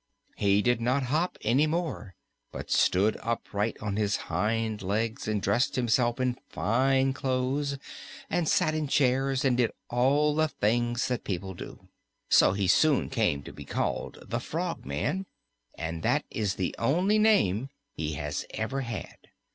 He did not hop any more, but stood upright on his hind legs and dressed himself in fine clothes and sat in chairs and did all the things that people do, so he soon came to be called the Frogman, and that is the only name he has ever had.